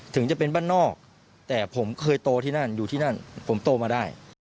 ถึงจะเป็นบ้านนอกแต่ผมเคยโตที่นั่นอยู่ที่นั่นผมโตมาได้